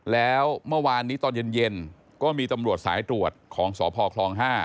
แล้วเมื่อวานนี้ตอนเย็นก็มีตำรวจสายตรวจของสพคลอง๕